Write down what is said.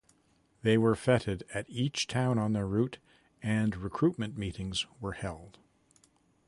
They were feted at each town on the route and recruitment meetings were held.